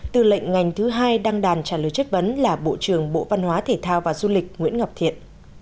tư lệnh ngành thứ hai đăng đàn trả lời chất vấn là bộ trưởng bộ văn hóa thể thao và du lịch nguyễn ngọc thiện